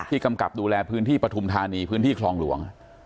กำกับดูแลพื้นที่ปฐุมธานีพื้นที่คลองหลวง